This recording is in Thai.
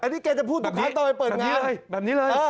อันนี้แกจะพูดทุกครั้งต่อไปเปิดงาน